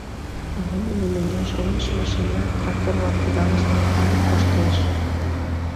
Урем дене мӧҥгеш-оньыш машина, трактор-влак кудалыштыт, калык коштеш.